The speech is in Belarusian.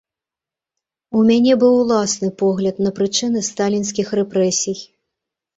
У мяне быў уласны погляд на прычыны сталінскіх рэпрэсій.